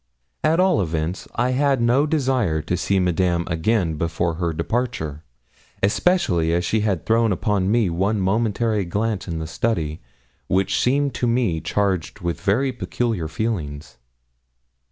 At all events I had no desire to see Madame again before her departure, especially as she had thrown upon me one momentary glance in the study, which seemed to me charged with very peculiar feelings.